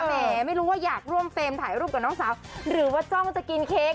แหมไม่รู้ว่าอยากร่วมเฟรมถ่ายรูปกับน้องสาวหรือว่าจ้องจะกินเค้ก